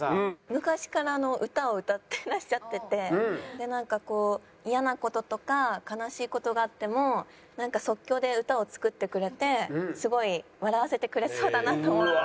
昔から歌を歌ってらっしゃっててなんか嫌な事とか悲しい事があってもなんか即興で歌を作ってくれてすごい笑わせてくれそうだなと思って。